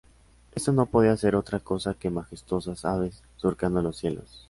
Esto no podía ser otra cosa que majestuosas aves surcando los cielos.